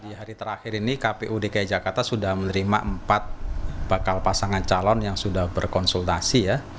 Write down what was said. di hari terakhir ini kpu dki jakarta sudah menerima empat bakal pasangan calon yang sudah berkonsultasi ya